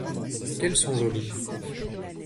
qu’elles sont jolies.